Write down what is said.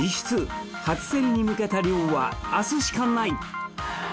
初競りに向けた漁は明日しかない貽↓